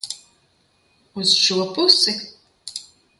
Uz šo pusi?